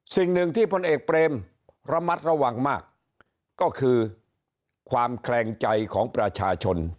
สิ่งหนึ่งที่พลเอกเปรมระมัดระวังมากก็คือความแคลงใจของประชาชน